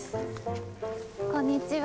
こんにちは。